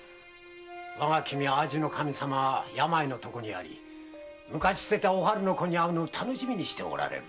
〔我が君淡路守様は病の床にあり昔捨てたおはるの子に会うのを楽しみにしておられる。